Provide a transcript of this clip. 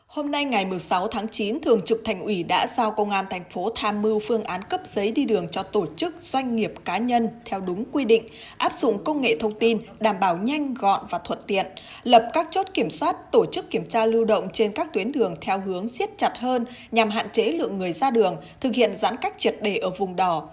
hôm nay ngày một mươi sáu tháng chín thường trực thành ủy đã giao công an thành phố tham mưu phương án cấp giấy đi đường cho tổ chức doanh nghiệp cá nhân theo đúng quy định áp dụng công nghệ thông tin đảm bảo nhanh gọn và thuận tiện lập các chốt kiểm soát tổ chức kiểm tra lưu động trên các tuyến đường theo hướng xiết chặt hơn nhằm hạn chế lượng người ra đường thực hiện giãn cách triệt đề ở vùng đỏ